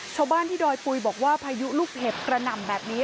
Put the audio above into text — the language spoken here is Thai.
ชาวบ้านที่ดอยปุ๋ยบอกว่าพายุลูกเห็บกระหน่ำแบบนี้